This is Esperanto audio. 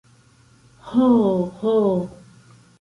Ho, ho!